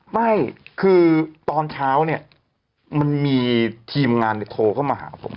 ไม่คือตอนเช้าเนี่ยมันมีทีมงานโทรเข้ามาหาผม